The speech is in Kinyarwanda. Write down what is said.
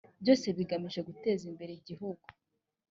byose bigamije gutezimber igihugu.